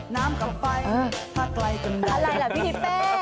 น้ำกับไฟถ้าใกล้กันได้อะไรล่ะพี่ฮิปเป้